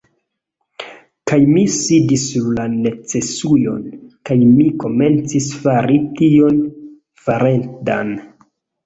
Kaj mi sidis sur la necesujon, kaj mi komencis fari tion farendan.